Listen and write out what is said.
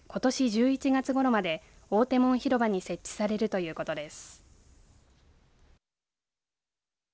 １１月ごろまで大手門広場に設置されるということです。